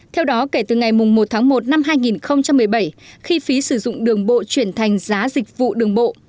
theo đó kể từ ngày một tháng một năm hai nghìn một mươi bảy khi phí sử dụng đường bộ chuyển thành giá dịch vụ đường bộ